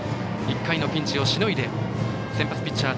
１回のピンチをしのいで先発ピッチャー、辻。